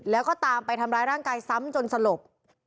แล้วก็ตามไปทำร้ายร่างกายซ้ำจนสลบ